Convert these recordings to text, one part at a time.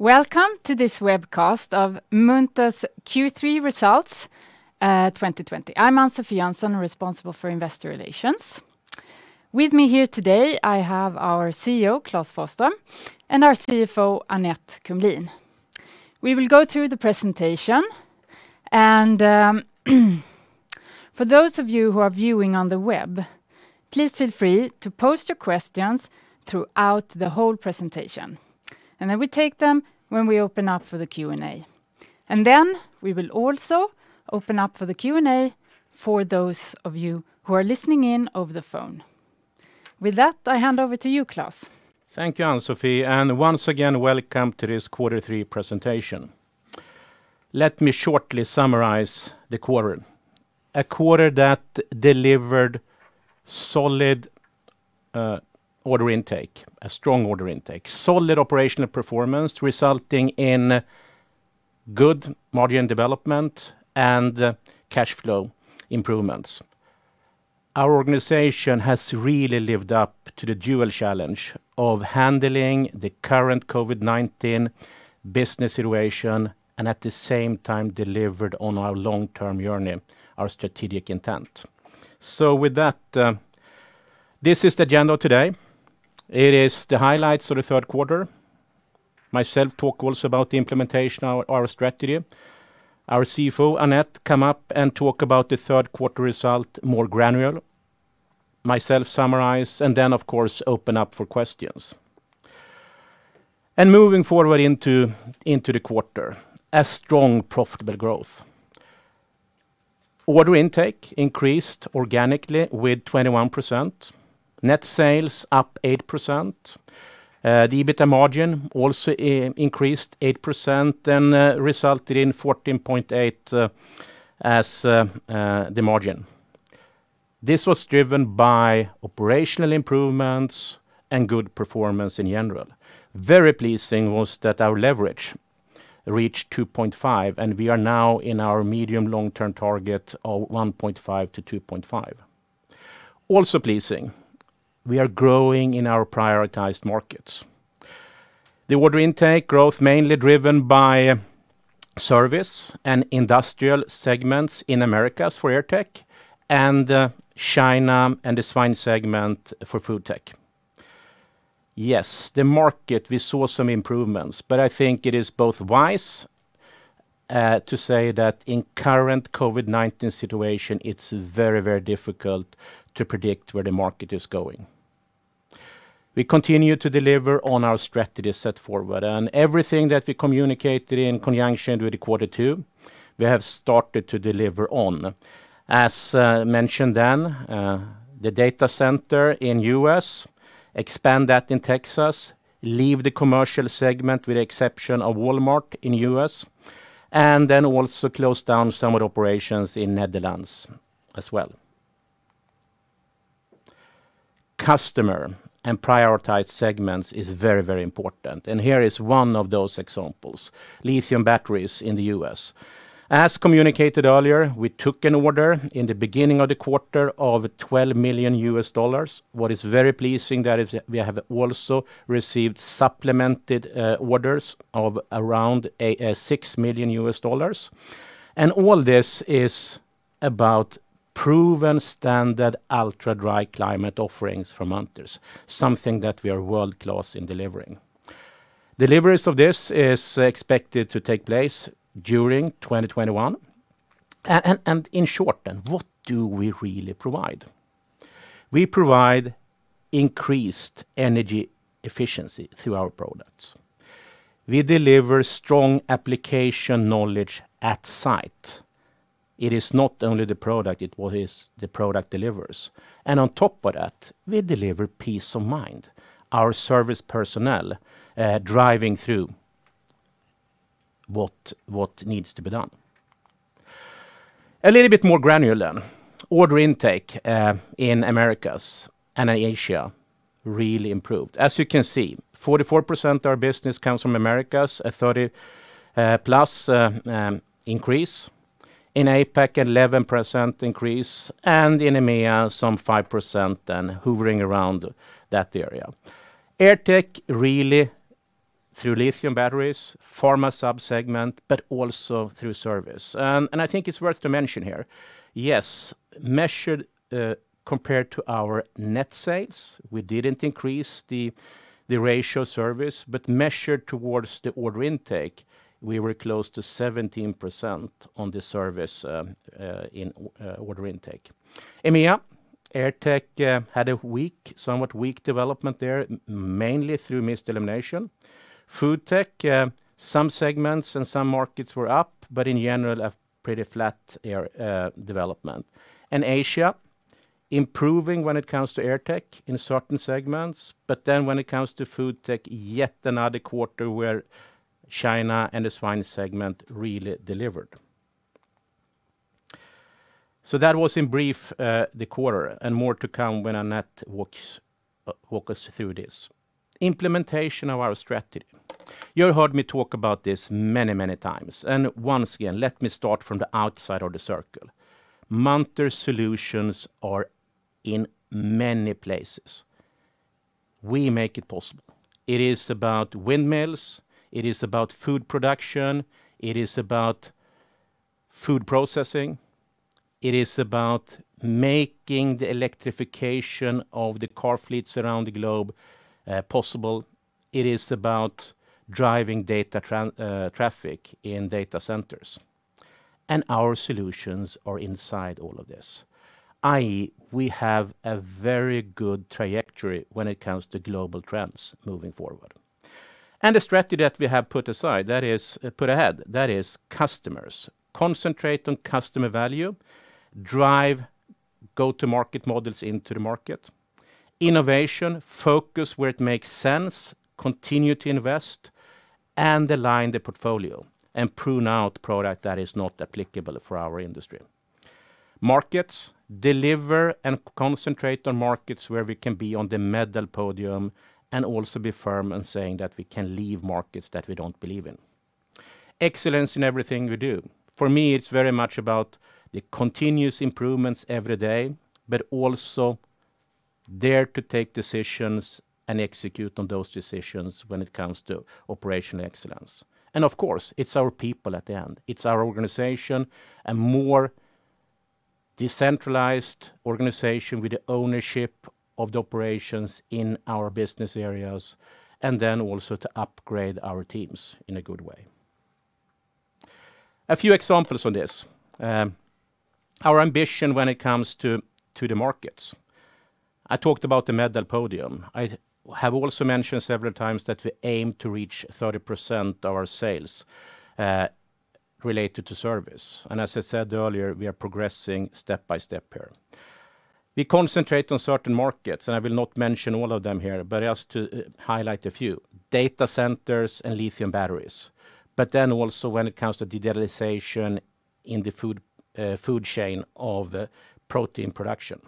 Welcome to this webcast of Munters Q3 Results 2020. I'm Ann-Sofi Jönsson, responsible for Investor Relations. With me here today, I have our CEO, Klas Forsström, and our CFO, Annette Kumlien. We will go through the presentation, and for those of you who are viewing on the web, please feel free to post your questions throughout the whole presentation, and then we take them when we open up for the Q&A. Then we will also open up for the Q&A for those of you who are listening in over the phone. With that, I hand over to you, Klas. Thank you, Ann-Sofi, and once again, welcome to this quarter three presentation. Let me shortly summarize the quarter. A quarter that delivered solid order intake, a strong order intake, solid operational performance resulting in good margin development, and cash flow improvements. Our organization has really lived up to the dual challenge of handling the current COVID-19 business situation and, at the same time, delivered on our long-term journey, our strategic intent. With that, this is the agenda today. It is the highlights of the third quarter. Myself talk also about the implementation of our strategy. Our CFO, Annette, come up and talk about the third quarter result more granular. Myself summarize and then, of course, open up for questions. Moving forward into the quarter, a strong, profitable growth. Order intake increased organically with 21%. Net sales up 8%. The EBITDA margin also increased 8% and resulted in 14.8% as the margin. This was driven by operational improvements and good performance in general. Very pleasing was that our leverage reached 2.5, and we are now in our medium long-term target of 1.5-2.5. Also pleasing, we are growing in our prioritized markets. The order intake growth mainly driven by service and industrial segments in Americas for AirTech and China and the swine segment for FoodTech. The market, we saw some improvements, but I think it is both wise to say that in current COVID-19 situation, it's very difficult to predict where the market is going. We continue to deliver on our strategy set forward, and everything that we communicated in conjunction with the Q2, we have started to deliver on. As mentioned, the data center in U.S., expand that in Texas, leave the commercial segment with the exception of Walmart in U.S., and also close down some of the operations in Netherlands as well. Customer and prioritized segments is very important, here is one of those examples, lithium batteries in the U.S. As communicated earlier, we took an order in the beginning of the quarter of $12 million. What is very pleasing that is we have also received supplemented orders of around $6 million. All this is about proven standard ultra-dry climate offerings from Munters, something that we are world-class in delivering. Deliveries of this is expected to take place during 2021. In short, what do we really provide? We provide increased energy efficiency through our products. We deliver strong application knowledge at site. It is not only the product, it what is the product delivers. On top of that, we deliver peace of mind. Our service personnel driving through what needs to be done. A little bit more granular then. Order intake in Americas and Asia really improved. As you can see, 44% of our business comes from Americas, a 30+ increase. In APAC, 11% increase, in EMEA, some 5% then hovering around that area. AirTech really, through lithium batteries, pharma sub-segment, but also through service. I think it's worth to mention here, yes, measured compared to our net sales, we didn't increase the ratio service, but measured towards the order intake, we were close to 17% on the service in order intake. EMEA, AirTech had a somewhat weak development there, mainly through mist elimination. FoodTech, some segments and some markets were up, but in general, a pretty flat development. Asia, improving when it comes to AirTech in certain segments, but then when it comes to FoodTech, yet another quarter where China and the swine segment really delivered. That was in brief the quarter, and more to come when Annette walk us through this. Implementation of our strategy. You heard me talk about this many times, and once again, let me start from the outside of the circle. Munters solutions are in many places. We make it possible. It is about windmills, it is about food production, it is about food processing, it is about making the electrification of the car fleets around the globe possible. It is about driving data traffic in data centers. Our solutions are inside all of this. i.e., we have a very good trajectory when it comes to global trends moving forward. The strategy that we have put ahead, that is customers. Concentrate on customer value, drive go-to-market models into the market, innovation, focus where it makes sense, continue to invest, and align the portfolio and prune out product that is not applicable for our industry. Markets: deliver and concentrate on markets where we can be on the medal podium and also be firm in saying that we can leave markets that we don't believe in. Excellence in everything we do. For me, it's very much about the continuous improvements every day, but also dare to take decisions and execute on those decisions when it comes to operational excellence. Of course, it's our people at the end. It's our organization, a more decentralized organization with the ownership of the operations in our business areas, then also to upgrade our teams in a good way. A few examples on this. Our ambition when it comes to the markets. I talked about the medal podium. I have also mentioned several times that we aim to reach 30% of our sales related to service. As I said earlier, we are progressing step by step here. We concentrate on certain markets, and I will not mention all of them here, but just to highlight a few: data centers and lithium batteries. Also when it comes to digitalization in the food chain of protein production.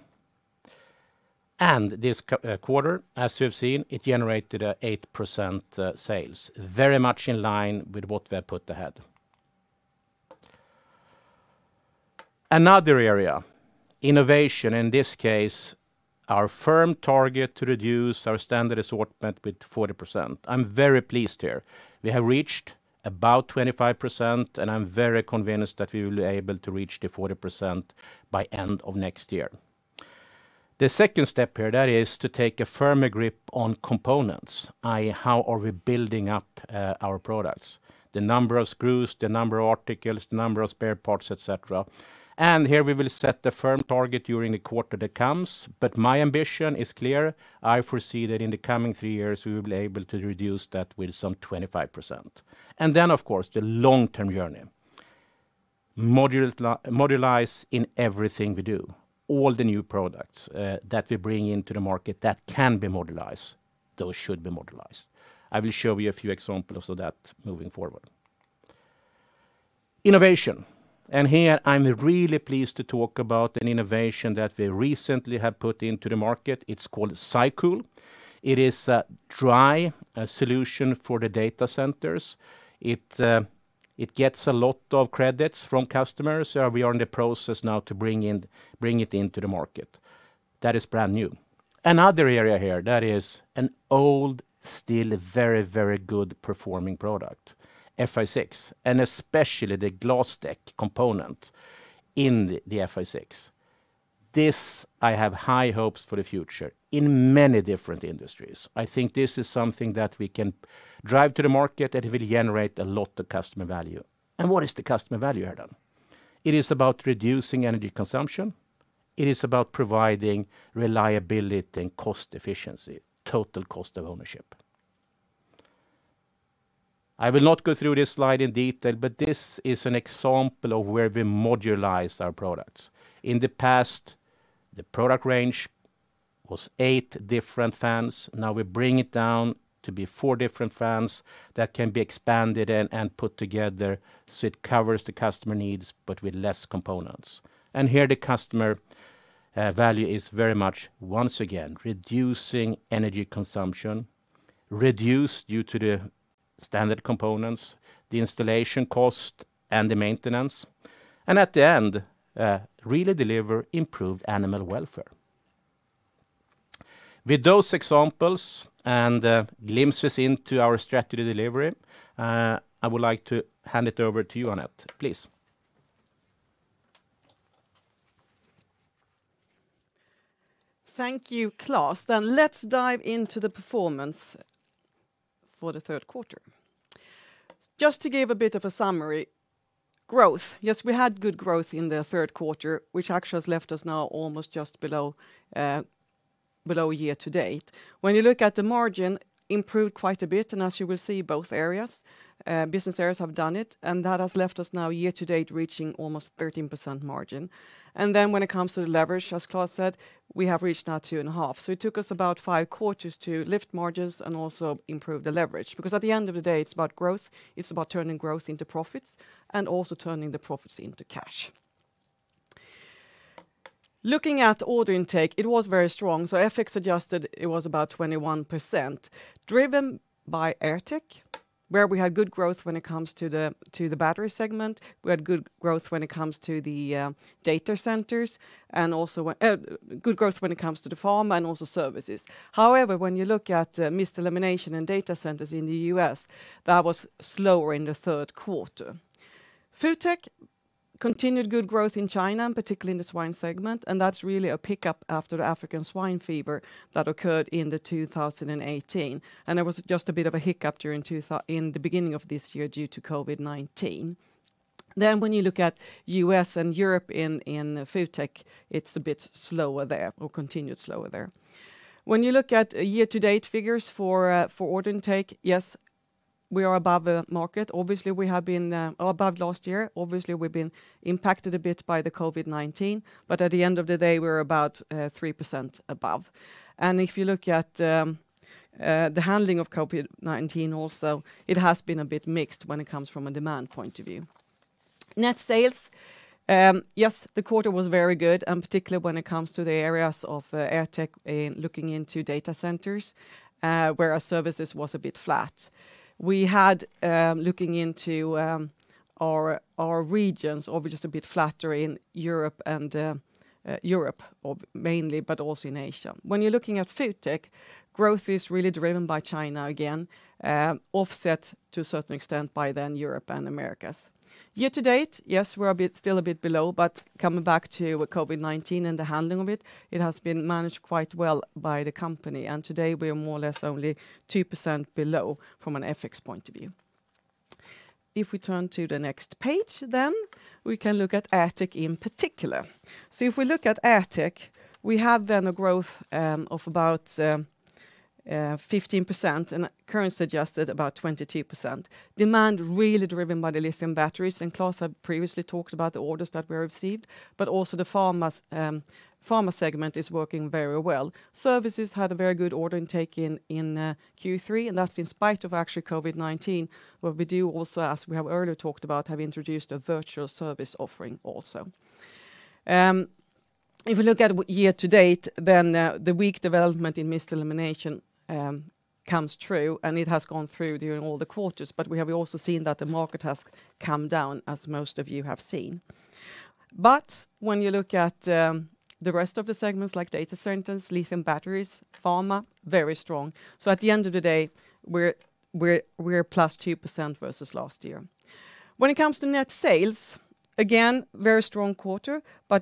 This quarter, as you have seen, it generated 8% sales, very much in line with what we have put ahead. Another area, innovation. In this case, our firm target to reduce our standard assortment with 40%. I'm very pleased here. We have reached about 25%, and I'm very convinced that we will be able to reach the 40% by end of next year. The second step here, that is to take a firmer grip on components, i.e., how are we building up our products? The number of screws, the number of articles, the number of spare parts, et cetera. Here we will set the firm target during the quarter that comes, but my ambition is clear. I foresee that in the coming three years, we will be able to reduce that with some 25%. Then, of course, the long-term journey. Modularize in everything we do. All the new products that we bring into the market that can be modularized, those should be modularized. I will show you a few examples of that moving forward. Innovation. Here I'm really pleased to talk about an innovation that we recently have put into the market. It's called SyCool. It is a dry solution for the data centers. It gets a lot of credits from customers. We are in the process now to bring it into the market. That is brand new. Another area here, that is an old, still very good performing product, FA6, and especially the GLASdek component in the FA6. This I have high hopes for the future in many different industries. I think this is something that we can drive to the market that will generate a lot of customer value. What is the customer value add-on? It is about reducing energy consumption. It is about providing reliability and cost efficiency, total cost of ownership. I will not go through this slide in detail, but this is an example of where we modularized our products. In the past, the product range was eight different fans. Now we bring it down to be four different fans that can be expanded and put together, so it covers the customer needs, but with less components. Here the customer value is very much, once again, reducing energy consumption, reduced due to the standard components, the installation cost, and the maintenance, and at the end, really deliver improved animal welfare. With those examples and glimpses into our strategy delivery, I would like to hand it over to you, Annette, please. Thank you, Klas. Let's dive into the performance for the third quarter. Just to give a bit of a summary. Growth. Yes, we had good growth in the third quarter, which actually has left us now almost just below year to date. When you look at the margin, improved quite a bit, and as you will see, both business areas have done it, and that has left us now year to date reaching almost 13% margin. When it comes to the leverage, as Klas said, we have reached now 2.5. It took us about five quarters to lift margins and also improve the leverage because at the end of the day, it's about growth, it's about turning growth into profits and also turning the profits into cash. Looking at order intake, it was very strong. FX adjusted, it was about 21% driven by AirTech, where we had good growth when it comes to the battery segment. We had good growth when it comes to the pharma and also services. However, when you look at mist elimination and data centers in the U.S., that was slower in the third quarter. FoodTech continued good growth in China, and particularly in the swine segment, and that's really a pickup after the African swine fever that occurred in 2018. There was just a bit of a hiccup in the beginning of this year due to COVID-19. When you look at U.S. and Europe in FoodTech, it's a bit slower there, or continued slower there. When you look at year-to-date figures for order intake, yes, we are above the market. Obviously, we have been above last year. We've been impacted a bit by the COVID-19, but at the end of the day, we're about 3% above. If you look at the handling of COVID-19 also, it has been a bit mixed when it comes from a demand point of view. Net sales. Yes, the quarter was very good, and particularly when it comes to the areas of AirTech, looking into data centers, where our services was a bit flat. We had, looking into our regions, obviously a bit flatter in Europe, mainly, but also in Asia. When you're looking at FoodTech, growth is really driven by China again, offset to a certain extent by then Europe and Americas. Year to date, yes, we're still a bit below, but coming back to COVID-19 and the handling of it has been managed quite well by the company. Today we are more or less only 2% below from an FX point of view. If we turn to the next page, then we can look at AirTech in particular. If we look at AirTech, we have then a growth of about 15% and currency adjusted about 22%. Demand really driven by the lithium batteries, and Klas previously talked about the orders that we received, but also the pharma segment is working very well. Services had a very good order intake in Q3, and that's in spite of COVID-19, where we do also, as we have earlier talked about, have introduced a virtual service offering also. If we look at year to date, then the weak development in mist elimination comes through, and it has gone through during all the quarters. We have also seen that the market has come down, as most of you have seen. When you look at the rest of the segments, like data centers, lithium batteries, pharma, very strong. At the end of the day, we're +2% versus last year. When it comes to net sales, again, very strong quarter for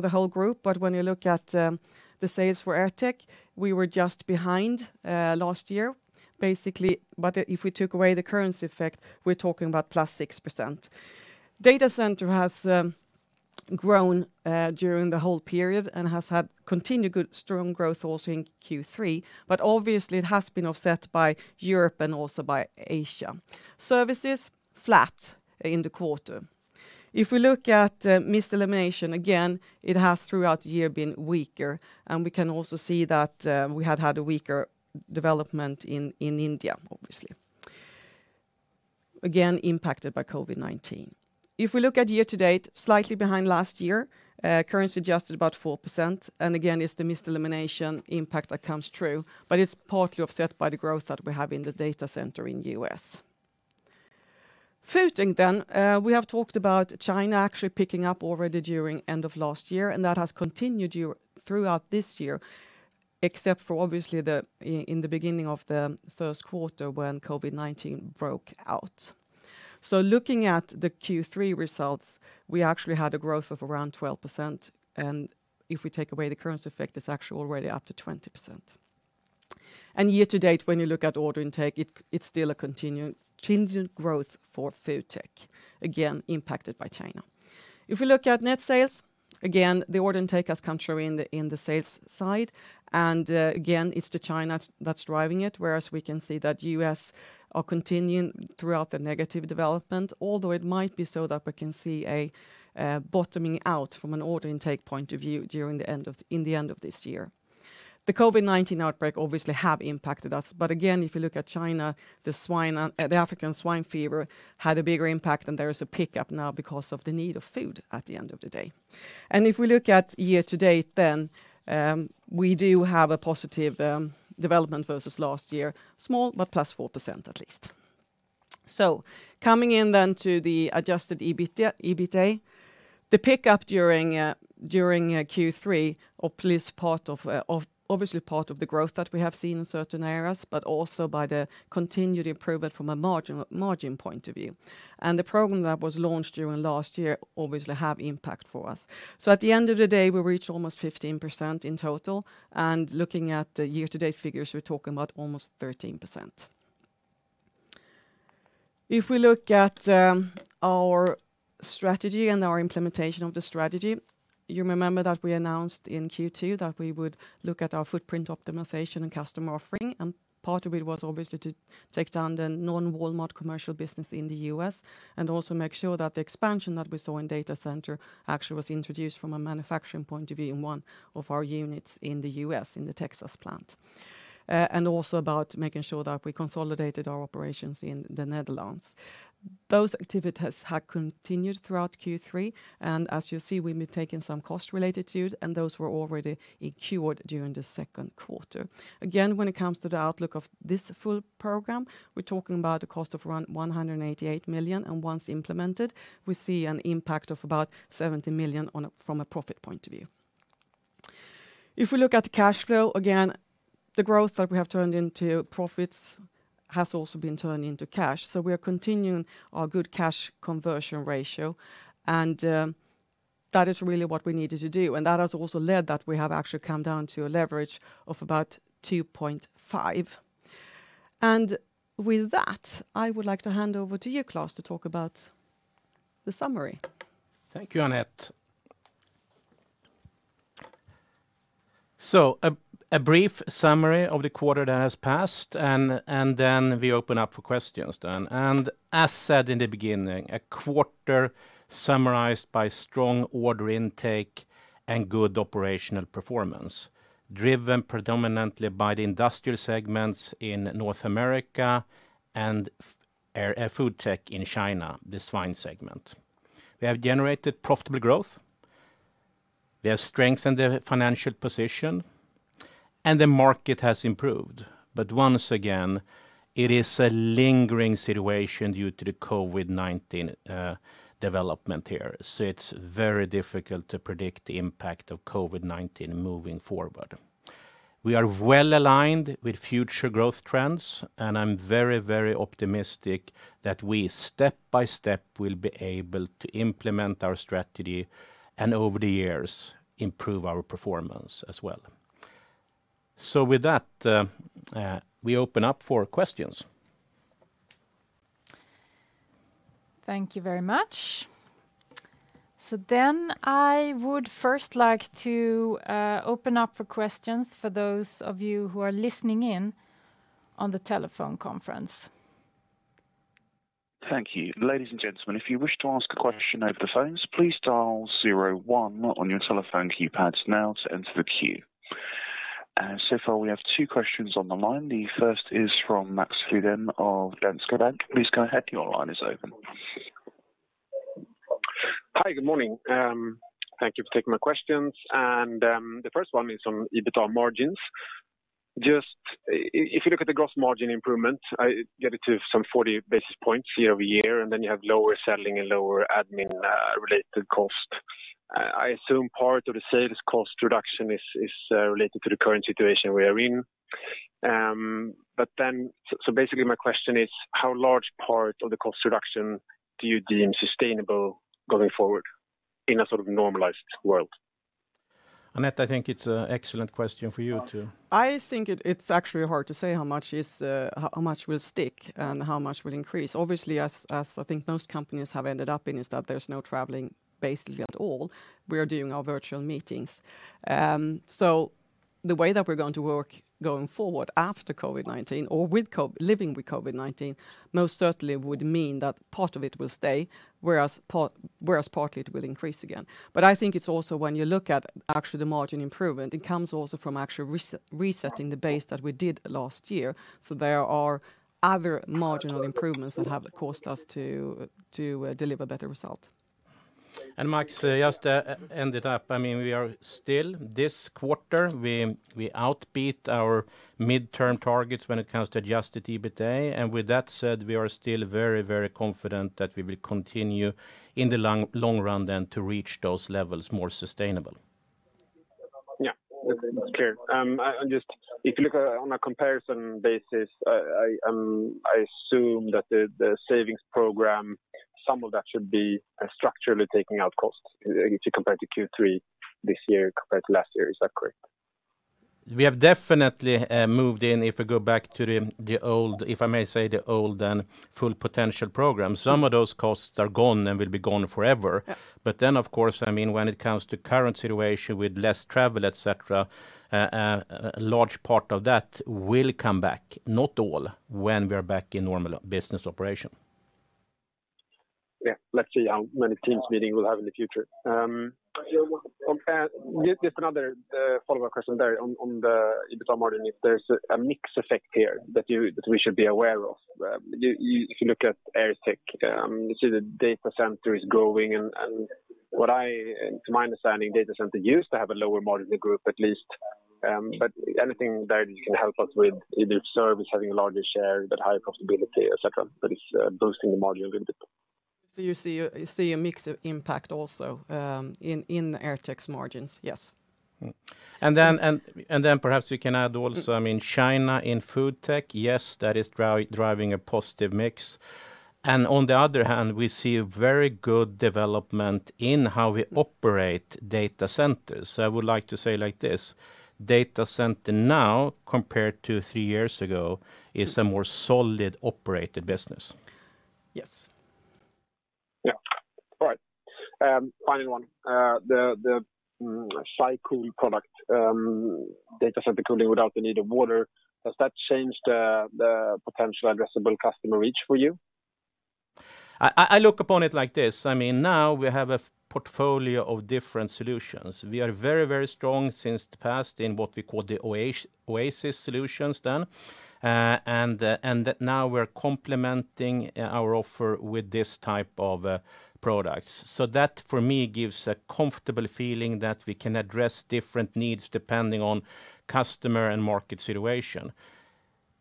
the whole group, but when you look at the sales for AirTech, we were just behind last year, basically, but if we took away the currency effect, we're talking about plus 6%. data center has grown during the whole period and has had continued good, strong growth also in Q3, but obviously, it has been offset by Europe and also by Asia. Services, flat in the quarter. If we look at mist elimination, again, it has throughout the year been weaker, and we can also see that we have had a weaker development in India, obviously. Again, impacted by COVID-19. If we look at year-to-date, slightly behind last year, currency adjusted about 4%, and again, it's the mist elimination impact that comes true, but it's partly offset by the growth that we have in the data center in U.S. FoodTech then, we have talked about China actually picking up already during end of last year, and that has continued throughout this year, except for obviously in the beginning of the first quarter when COVID-19 broke out. Looking at the Q3 results, we actually had a growth of around 12%. If we take away the currency effect, it's actually already up to 20%. Year-to-date, when you look at order intake, it's still a continued growth for FoodTech, again, impacted by China. If we look at net sales, again, the order intake has come through in the sales side, again, it's the China that's driving it, whereas we can see that U.S. are continuing throughout the negative development, although it might be so that we can see a bottoming out from an order intake point of view in the end of this year. The COVID-19 outbreak obviously have impacted us. Again, if you look at China, the African swine fever had a bigger impact, there is a pickup now because of the need of food at the end of the day. If we look at year to date then, we do have a positive development versus last year, small, but +4% at least. Coming in then to the adjusted EBITA. The pickup during Q3, obviously part of the growth that we have seen in certain areas, but also by the continued improvement from a margin point of view. The program that was launched during last year obviously have impact for us. At the end of the day, we reach almost 15% in total, and looking at the year-to-date figures, we're talking about almost 13%. If we look at our strategy and our implementation of the strategy, you remember that we announced in Q2 that we would look at our footprint optimization and customer offering, and part of it was obviously to take down the non-Walmart commercial business in the U.S. and also make sure that the expansion that we saw in data center actually was introduced from a manufacturing point of view in one of our units in the U.S., in the Texas plant. Also about making sure that we consolidated our operations in the Netherlands. Those activities have continued throughout Q3, and as you see, we've been taking some cost-related tune, and those were already incurred during the second quarter. Again, when it comes to the outlook of this full program, we're talking about a cost of around 188 million, and once implemented, we see an impact of about 70 million from a profit point of view. If we look at the cash flow, again, the growth that we have turned into profits has also been turned into cash. We are continuing our good cash conversion ratio, and that is really what we needed to do. That has also led that we have actually come down to a leverage of about 2.5. With that, I would like to hand over to you, Klas, to talk about the summary. Thank you, Annette. A brief summary of the quarter that has passed, and then we open up for questions. As said in the beginning, a quarter summarized by strong order intake and good operational performance, driven predominantly by the industrial segments in North America and FoodTech in China, the swine segment. We have generated profitable growth. We have strengthened the financial position, and the market has improved. Once again, it is a lingering situation due to the COVID-19 development here. It's very difficult to predict the impact of COVID-19 moving forward. We are well-aligned with future growth trends, and I'm very optimistic that we, step by step, will be able to implement our strategy and over the years improve our performance as well. With that, we open up for questions. Thank you very much. I would first like to open up for questions for those of you who are listening in on the telephone conference. Thank you. Ladies and gentlemen, if you wish to ask a question over the phones, please dial zero one on your telephone keypads now to enter the queue. So far, we have two questions on the line. The first is from Max Frydén of Danske Bank. Please go ahead. Your line is open. Hi. Good morning. Thank you for taking my questions. The first one is on EBITDA margins. Just, if you look at the gross margin improvement, I get it to some 40 basis points year-over-year, you have lower selling and lower admin related cost. I assume part of the sales cost reduction is related to the current situation we are in. Basically, my question is how large part of the cost reduction do you deem sustainable going forward in a sort of normalized world? Annette, I think it's an excellent question for you. I think it's actually hard to say how much will stick and how much will increase. Obviously, as I think most companies have ended up in, is that there's no traveling basically at all. We are doing our virtual meetings. The way that we're going to work going forward after COVID-19 or living with COVID-19, most certainly would mean that part of it will stay, whereas partly it will increase again. I think it's also when you look at actually the margin improvement, it comes also from actually resetting the base that we did last year. There are other marginal improvements that have caused us to deliver better result. Max, just to end it up, we are still, this quarter, we outbeat our midterm targets when it comes to adjusted EBITA. With that said, we are still very confident that we will continue in the long run then to reach those levels more sustainable. Yeah. Okay. Just, if you look on a comparison basis, I assume that the savings program, some of that should be structurally taking out costs if you compare to Q3 this year compared to last year. Is that correct? We have definitely moved in, if we go back to the old, if I may say, the old and Full Potential Program. Some of those costs are gone and will be gone forever. Yeah. Of course, when it comes to current situation with less travel, et cetera, a large part of that will come back, not all, when we are back in normal business operation. Yeah. Let's see how many Teams meeting we'll have in the future. Another follow-up question there on the EBITDA margin, if there's a mix effect here that we should be aware of. You look at AirTech, you see the data center is growing, and to my understanding, data center used to have a lower margin group at least. Anything there that you can help us with, either service having a larger share, but higher profitability, et cetera, that is boosting the margin a little bit. You see a mix of impact also in AirTech's margins. Yes. Perhaps you can add also, China in FoodTech, yes, that is driving a positive mix. On the other hand, we see a very good development in how we operate data centers. I would like to say like this: data center now compared to three years ago is a more solid operated business. Yes. Yeah. All right. Final one. The SyCool product, data center cooling without the need of water, has that changed the potential addressable customer reach for you? I look upon it like this. Now we have a portfolio of different solutions. We are very, very strong since the past in what we call the Oasis solutions. Now we're complementing our offer with this type of products. That, for me, gives a comfortable feeling that we can address different needs depending on customer and market situation.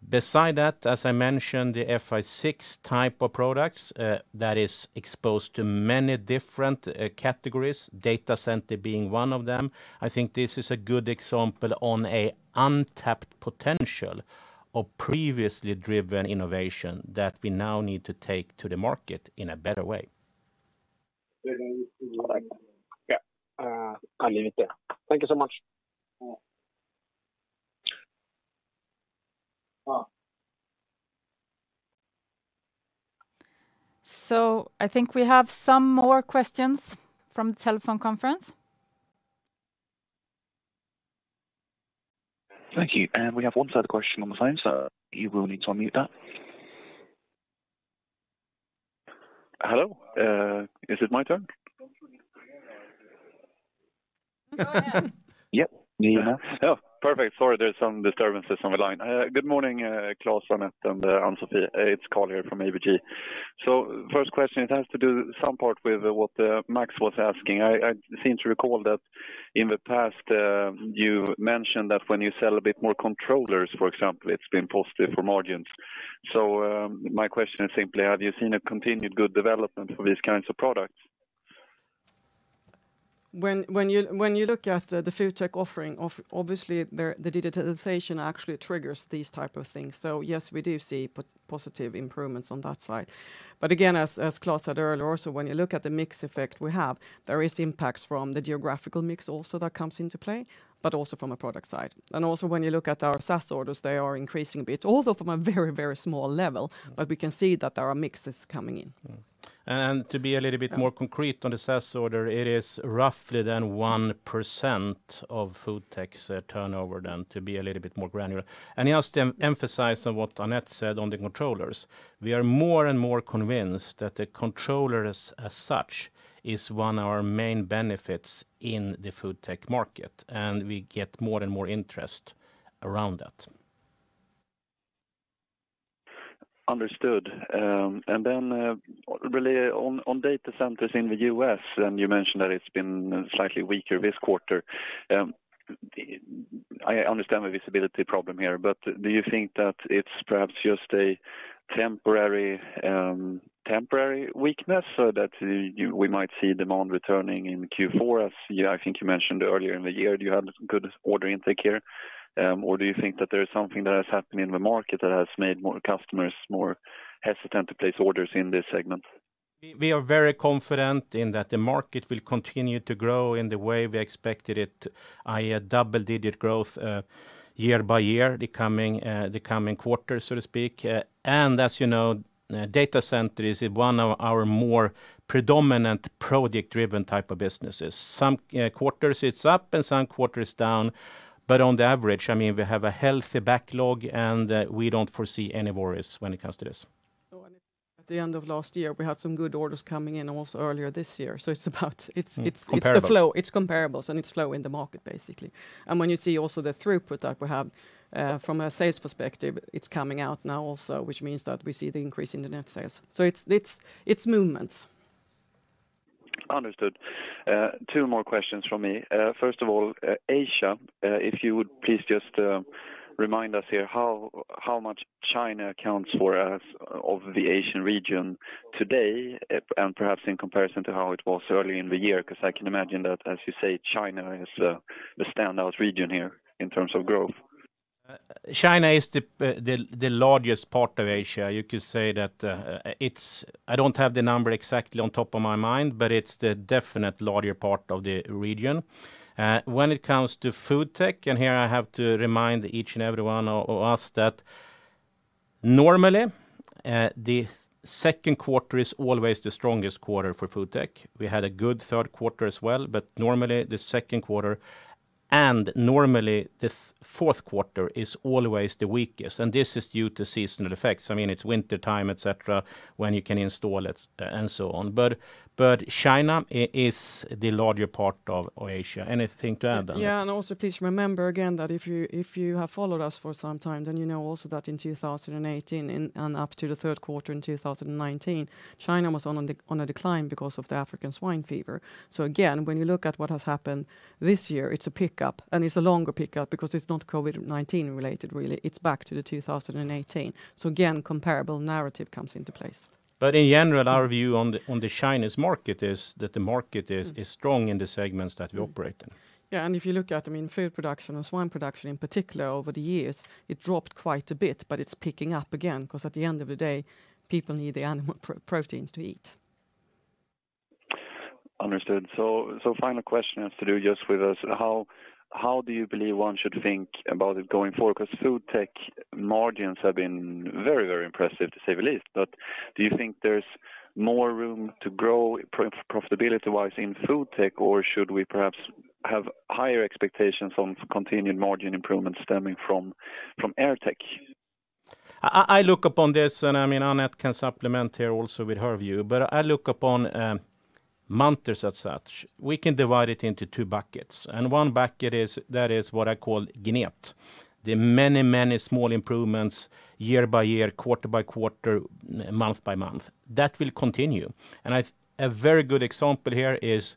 Beside that, as I mentioned, the FA6 type of products, that is exposed to many different categories, data center being one of them. I think this is a good example on a untapped potential of previously driven innovation that we now need to take to the market in a better way. Yeah. I leave it there. Thank you so much. I think we have some more questions from the telephone conference. Thank you. We have one third question on the phone, so you will need to unmute that. Hello, is it my turn? Yep. Oh, perfect. Sorry, there's some disturbances on the line. Good morning, Klas and Annette and Ann-Sofi. It's Karl here from ABG. First question, it has to do some part with what Max was asking. I seem to recall that in the past, you mentioned that when you sell a bit more controllers, for example, it's been positive for margins. My question is simply, have you seen a continued good development for these kinds of products? When you look at the FoodTech offering, obviously, the digitalization actually triggers these type of things. Yes, we do see positive improvements on that side. Again, as Klas said earlier also, when you look at the mix effect we have, there is impacts from the geographical mix also that comes into play, but also from a product side. Also when you look at our SaaS orders, they are increasing a bit, although from a very small level. We can see that there are mixes coming in. To be a little bit more concrete on the SaaS order, it is roughly 1% of FoodTech's turnover then to be a little bit more granular. Just to emphasize on what Annette said on the controllers, we are more and more convinced that the controllers as such, is one of our main benefits in the FoodTech market, and we get more and more interest around that. Understood. Really on data centers in the U.S., you mentioned that it's been slightly weaker this quarter. I understand the visibility problem here, do you think that it's perhaps just a temporary weakness so that we might see demand returning in Q4, as I think you mentioned earlier in the year? Do you have good order intake here? Do you think that there is something that has happened in the market that has made more customers more hesitant to place orders in this segment? We are very confident in that the market will continue to grow in the way we expected it, i.e., double-digit growth, year by year, the coming quarter, so to speak. As you know, data center is one of our more predominant project-driven type of businesses. Some quarters it's up and some quarters down, but on the average, we have a healthy backlog, and we don't foresee any worries when it comes to this. At the end of last year, we had some good orders coming in, and also earlier this year. Comparables It's the flow. It's comparables, and it's flow in the market basically. When you see also the throughput that we have, from a sales perspective, it's coming out now also, which means that we see the increase in the net sales. It's movements. Understood. Two more questions from me. First of all, Asia, if you would please just remind us here how much China accounts for as of the Asian region today, and perhaps in comparison to how it was early in the year, because I can imagine that, as you say, China is the standout region here in terms of growth. China is the largest part of Asia. You could say that it's. I don't have the number exactly on top of my mind, but it's the definite larger part of the region. When it comes to FoodTech, and here I have to remind each and every one of us that normally, the second quarter is always the strongest quarter for FoodTech. We had a good third quarter as well. Normally the second quarter and normally the fourth quarter is always the weakest. This is due to seasonal effects. I mean, it's wintertime, et cetera, when you can install it and so on. China is the larger part of Asia. Anything to add, Annette? Also please remember again that if you have followed us for some time, then you know also that in 2018 and up to the third quarter in 2019, China was on a decline because of the African swine fever. Again, when you look at what has happened this year, it's a pickup, and it's a longer pickup because it's not COVID-19 related really, it's back to the 2018. Again, comparable narrative comes into place. In general, our view on the Chinese market is that the market is strong in the segments that we operate in. Yeah, if you look at food production and swine production in particular over the years, it dropped quite a bit, but it is picking up again because at the end of the day, people need the animal proteins to eat. Understood. Final question has to do just with how do you believe one should think about it going forward? FoodTech margins have been very impressive to say the least, do you think there's more room to grow profitability-wise in FoodTech, or should we perhaps have higher expectations on continued margin improvement stemming from AirTech? I look upon this, Annette can supplement here also with her view, I look upon Munters as such, we can divide it into two buckets. One bucket that is what I call gnet. The many, many small improvements year by year, quarter by quarter, month by month. That will continue. A very good example here is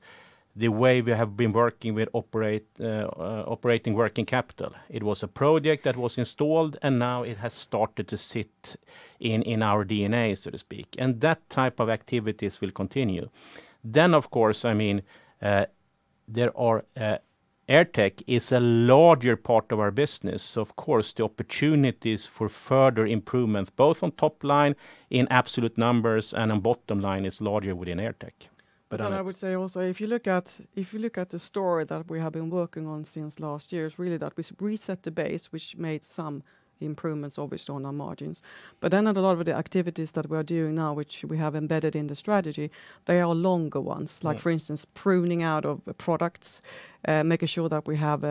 the way we have been working with operating working capital. It was a project that was installed, now it has started to sit in our DNA, so to speak. That type of activities will continue. Of course, AirTech is a larger part of our business. Of course, the opportunities for further improvements, both on top line in absolute numbers and on bottom line is larger within AirTech. What I would say also, if you look at the story that we have been working on since last year, it's really that we reset the base, which made some improvements, obviously, on our margins. Then at a lot of the activities that we're doing now, which we have embedded in the strategy, they are longer ones. Like for instance, pruning out of products, making sure that we have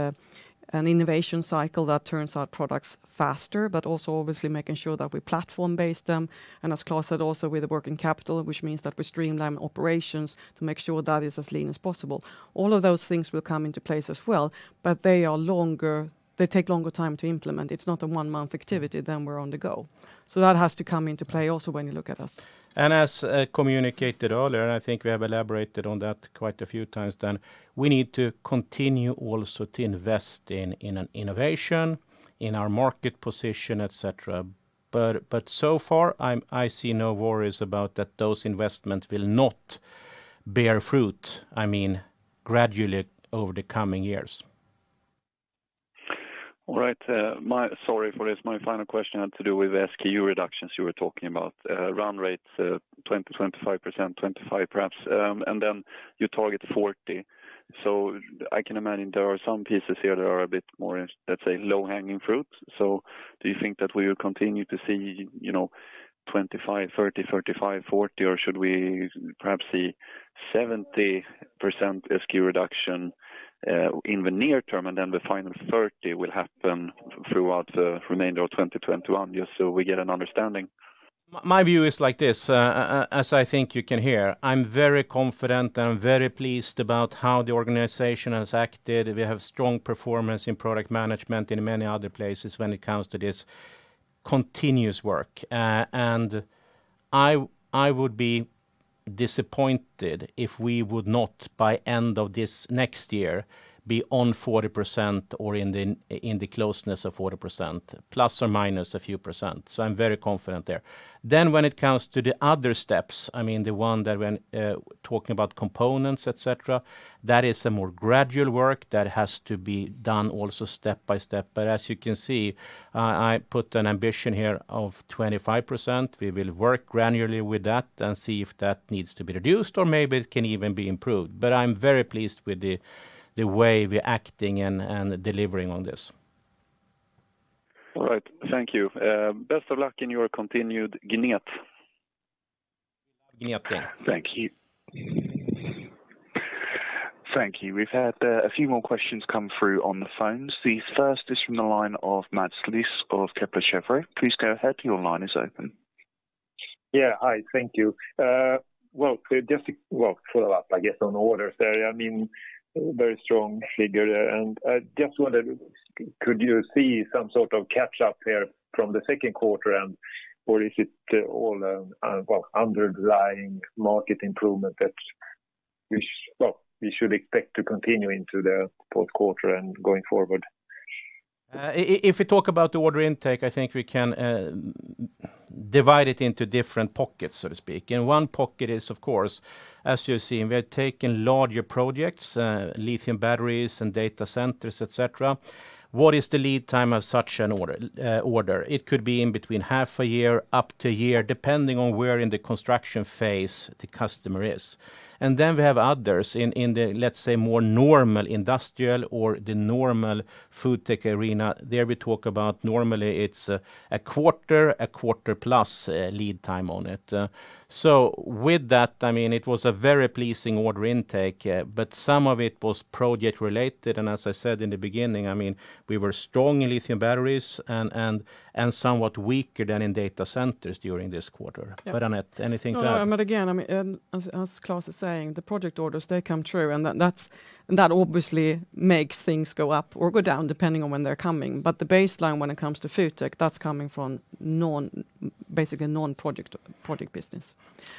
an innovation cycle that turns out products faster, but also obviously making sure that we platform base them, and as Klas said, also with the working capital, which means that we streamline operations to make sure that is as lean as possible. All of those things will come into place as well, but they take longer time to implement. It's not a one-month activity, then we're on the go. That has to come into play also when you look at us. As communicated earlier, and I think we have elaborated on that quite a few times then, we need to continue also to invest in an innovation, in our market position, et cetera. So far, I see no worries about that those investments will not bear fruit gradually over the coming years. All right. Sorry for this. My final question had to do with SKU reductions you were talking about. Run rates of 20%-25%, 25% perhaps. Then you target 40. I can imagine there are some pieces here that are a bit more, let's say, low-hanging fruit. Do you think that we will continue to see, 25, 30, 35, 40, or should we perhaps see 70% SKU reduction in the near term, and then the final 30 will happen throughout the remainder of 2021, just so we get an understanding? My view is like this. As I think you can hear, I'm very confident and I'm very pleased about how the organization has acted. We have strong performance in product management in many other places when it comes to this continuous work. I would be disappointed if we would not, by end of this next year, be on 40% or in the closeness of 40%, plus or minus a few percent. I'm very confident there. When it comes to the other steps, the one that when talking about components, et cetera, that is a more gradual work that has to be done also step by step. As you can see, I put an ambition here of 25%. We will work granularly with that and see if that needs to be reduced or maybe it can even be improved. I'm very pleased with the way we're acting and delivering on this. All right. Thank you. Best of luck in your continued gnet. Gnet. Thank you. Thank you. We've had a few more questions come through on the phones. The first is from the line of Mats Liss of Kepler Cheuvreux. Please go ahead. Your line is open. Yeah. Hi. Thank you. Well, just to follow up, I guess, on orders there. Very strong figure there. I just wondered, could you see some sort of catch up here from the second quarter, or is it all underlying market improvement that we should expect to continue into the fourth quarter and going forward? If you talk about the order intake, I think we can divide it into different pockets, so to speak. One pocket is, of course, as you're seeing, we are taking larger projects, lithium batteries and data centers, et cetera. What is the lead time of such an order? It could be in between half a year, up to a year, depending on where in the construction phase the customer is. Then we have others in the, let's say, more normal industrial or the normal FoodTech arena. There we talk about normally it's a quarter, a quarter-plus lead time on it. With that, it was a very pleasing order intake, but some of it was project related, and as I said in the beginning, we were strong in lithium batteries and somewhat weaker than in data centers during this quarter. Annette, anything to add? No, again, as Klas is saying, the project orders, they come true, and that obviously makes things go up or go down, depending on when they're coming. The baseline when it comes to FoodTech, that's coming from basically non-project business.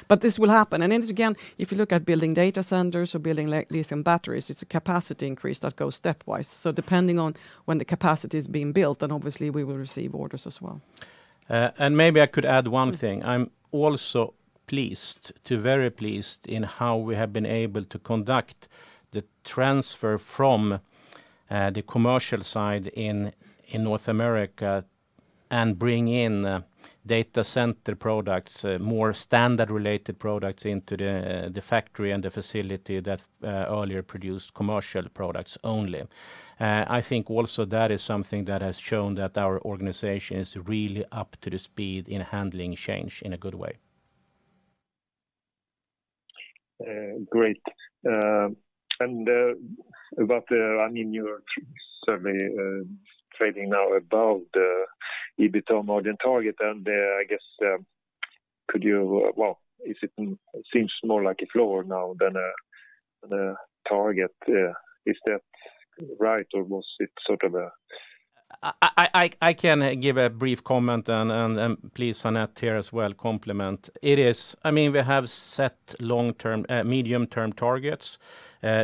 This will happen. Again, if you look at building data centers or building lithium batteries, it's a capacity increase that goes stepwise. Depending on when the capacity is being built, then obviously we will receive orders as well. Maybe I could add one thing. I'm also very pleased in how we have been able to conduct the transfer from the commercial side in North America and bring in data center products, more standard related products into the factory and the facility that earlier produced commercial products only. I think also that is something that has shown that our organization is really up to the speed in handling change in a good way. Great. You're certainly trading now above the EBITA margin target. It seems more like a floor now than a target. Is that right? I can give a brief comment. Please, Annette here as well, complement. We have set medium-term targets.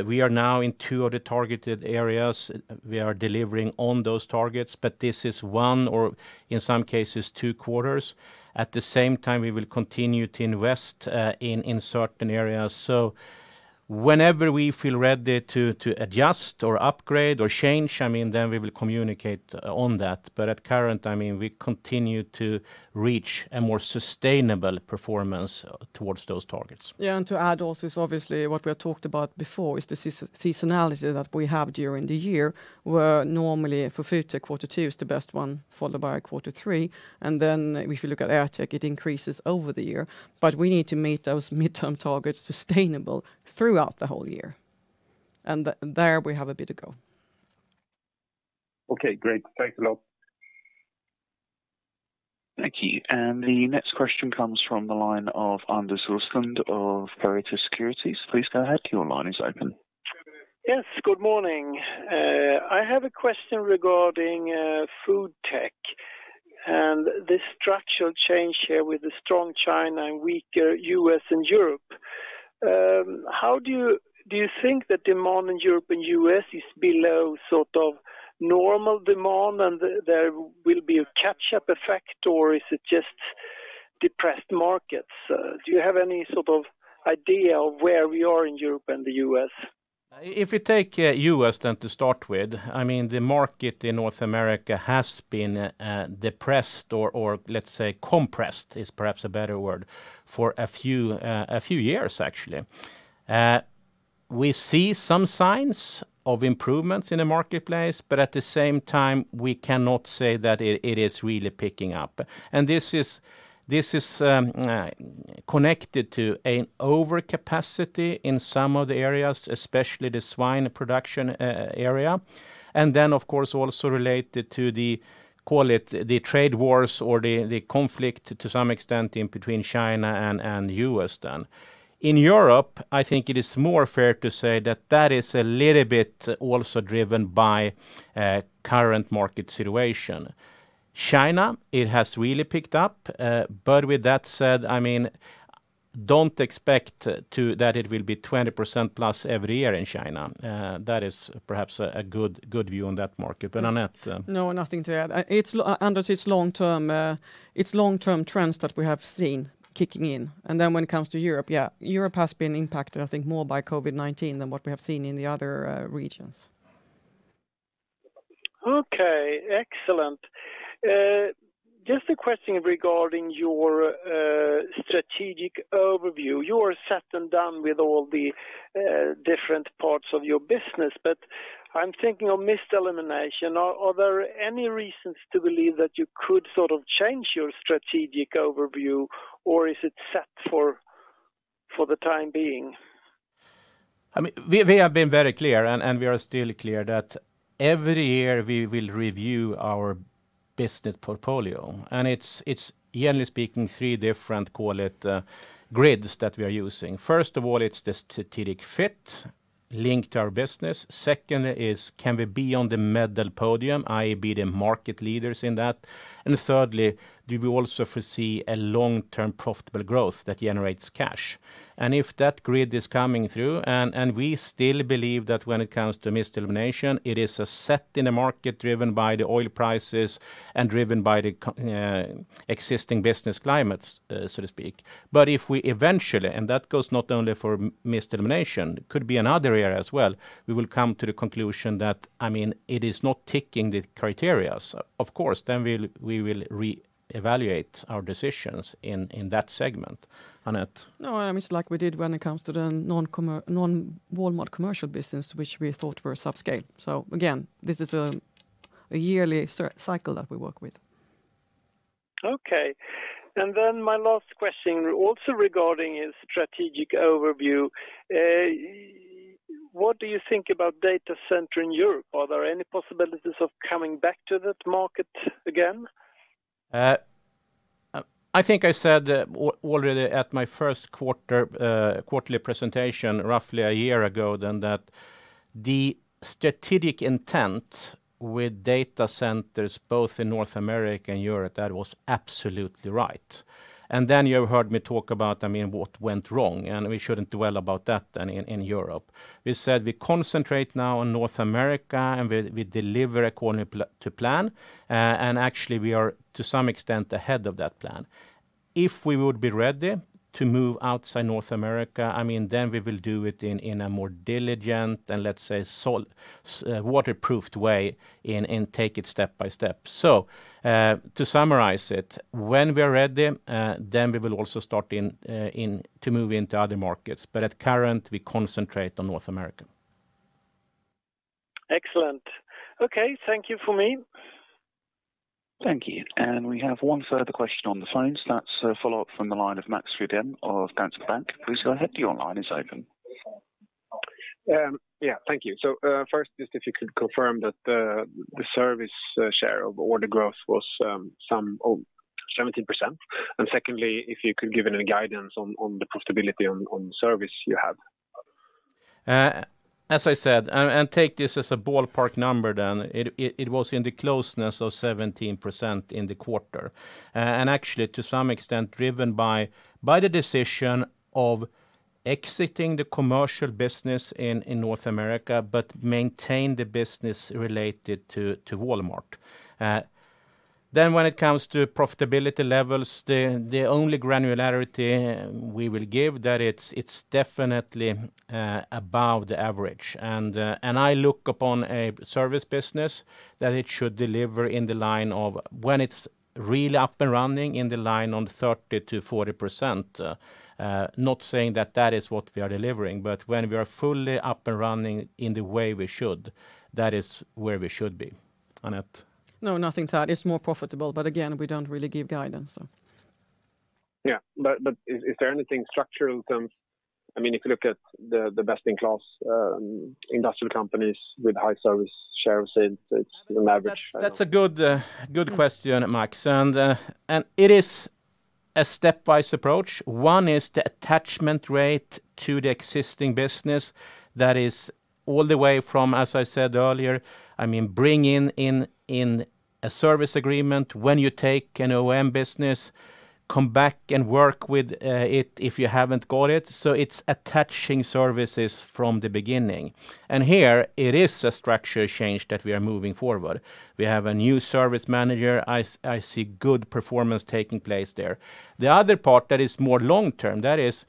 We are now in two of the targeted areas. We are delivering on those targets, this is one or in some cases, two quarters. At the same time, we will continue to invest in certain areas. Whenever we feel ready to adjust, upgrade, or change, we will communicate on that. At current, we continue to reach a more sustainable performance towards those targets. Yeah, to add also is obviously what we have talked about before is the seasonality that we have during the year, where normally for FoodTech, quarter two is the best one, followed by quarter three. If you look at AirTech, it increases over the year. We need to meet those mid-term targets sustainable throughout the whole year. There we have a bit of go. Okay, great. Thanks a lot. Thank you. The next question comes from the line of Anders Roslund of Pareto Securities. Please go ahead. Your line is open. Yes, good morning. I have a question regarding FoodTech and the structural change here with the strong China and weaker U.S. and Europe. Do you think that demand in Europe and U.S. is below normal demand and there will be a catch-up effect, or is it just depressed markets? Do you have any idea of where we are in Europe and the U.S.? If you take U.S. to start with, the market in North America has been depressed or let's say compressed is perhaps a better word, for a few years, actually. We see some signs of improvements in the marketplace, at the same time, we cannot say that it is really picking up. This is connected to an overcapacity in some of the areas, especially the swine production area. Of course, also related to the, call it the trade wars or the conflict to some extent between China and U.S. then. In Europe, I think it is more fair to say that that is a little bit also driven by current market situation. China, it has really picked up. With that said, don't expect that it will be 20% plus every year in China. That is perhaps a good view on that market. Annette? No, nothing to add. Anders, it's long-term trends that we have seen kicking in. When it comes to Europe, yeah, Europe has been impacted, I think, more by COVID-19 than what we have seen in the other regions. Okay. Excellent. Just a question regarding your strategic overview. You are set and done with all the different parts of your business, but I am thinking of mist elimination. Are there any reasons to believe that you could change your strategic overview, or is it set for the time being? We have been very clear, and we are still clear that every year we will review our business portfolio, and it's, yearly speaking, three different, call it, grids that we are using. First of all, it's the strategic fit linked to our business. Second is can we be on the medal podium, i.e. be the market leaders in that? Thirdly, do we also foresee a long-term profitable growth that generates cash? If that grid is coming through, and we still believe that when it comes to mist elimination, it is a segment in a market driven by the oil prices and driven by the existing business climates, so to speak. If we eventually, and that goes not only for mist elimination, could be another area as well, we will come to the conclusion that it is not ticking the criteria. Of course, we will reevaluate our decisions in that segment. Annette? No, it's like we did when it comes to the non-Walmart commercial business, which we thought were subscale. Again, this is a yearly cycle that we work with. Okay. My last question also regarding strategic overview. What do you think about data center in Europe? Are there any possibilities of coming back to that market again? I think I said already at my first quarterly presentation roughly a year ago then that the strategic intent with data centers both in North America and Europe, that was absolutely right. You have heard me talk about what went wrong, and we shouldn't dwell about that then in Europe. We said we concentrate now on North America, and we deliver according to plan. Actually, we are to some extent ahead of that plan. If we would be ready to move outside North America, then we will do it in a more diligent and let's say waterproofed way and take it step by step. To summarize it, when we're ready, then we will also start to move into other markets. At current, we concentrate on North America. Excellent. Okay. Thank you from me. Thank you. We have one further question on the phone. That's a follow-up from the line of Max Frydén of Danske Bank. Please go ahead. Your line is open Yeah. Thank you. First, just if you could confirm that the service share of order growth was some 17%. Secondly, if you could give any guidance on the profitability on service you have. As I said, take this as a ballpark number then, it was in the closeness of 17% in the quarter. Actually, to some extent, driven by the decision of exiting the commercial business in North America, but maintain the business related to Walmart. When it comes to profitability levels, the only granularity we will give, that it's definitely above the average. I look upon a service business that it should deliver in the line of, when it's really up and running, in the line on 30%-40%. Not saying that that is what we are delivering, but when we are fully up and running in the way we should, that is where we should be. Annette? No, nothing to add. It's more profitable, but again, we don't really give guidance. Yeah. Is there anything structural terms, if you look at the best in class industrial companies with high service shares, it's an average. That's a good question, Max. It is a stepwise approach. One is the attachment rate to the existing business. That is all the way from, as I said earlier, bring in a service agreement when you take an OEM business, come back and work with it if you haven't got it. It's attaching services from the beginning. Here it is a structure change that we are moving forward. We have a new service manager. I see good performance taking place there. The other part that is more long-term, that is,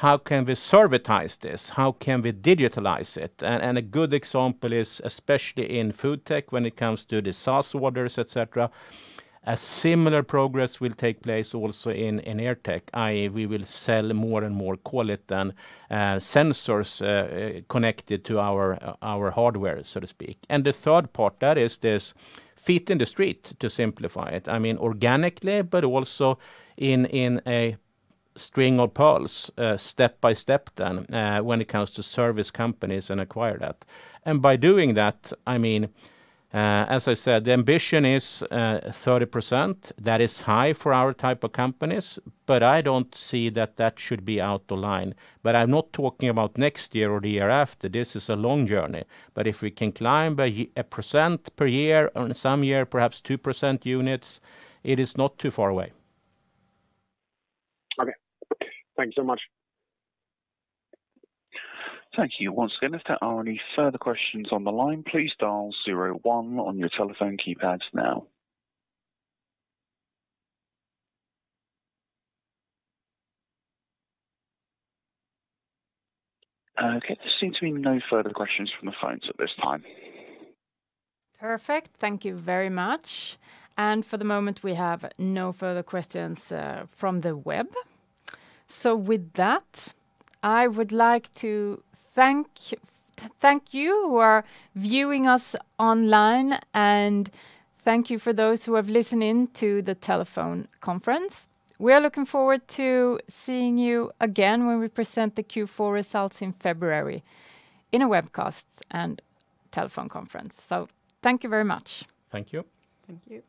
how can we servitize this? How can we digitalize it? A good example is, especially in FoodTech, when it comes to the SaaS orders, et cetera, a similar progress will take place also in AirTech, i.e., we will sell more and more call it then, sensors, connected to our hardware, so to speak. The third part, that is this feet in the street, to simplify it. Organically, but also in a string of pearls, step-by-step then, when it comes to service companies and acquire that. By doing that, as I said, the ambition is 30%. That is high for our type of companies, but I don't see that that should be out of line. I'm not talking about next year or the year after. This is a long journey. If we can climb by a percent per year, on some year, perhaps two percent units, it is not too far away. Okay. Thank you so much. Thank you once again. If there are any further questions on the line, please dial zero one on your telephone keypads now. Okay, there seem to be no further questions from the phones at this time. Perfect. Thank you very much. For the moment, we have no further questions from the web. With that, I would like to thank you who are viewing us online, and thank you for those who have listened in to the telephone conference. We are looking forward to seeing you again when we present the Q4 results in February in a webcast and telephone conference. Thank you very much. Thank you. Thank you.